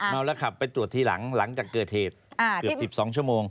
เมาแล้วขับไปตรวจทีหลังหลังจากเกิดเหตุเกือบ๑๒ชั่วโมง